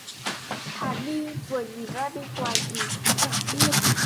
Hà ni vừa nhìn ra bên ngoài thì ngạc nhiên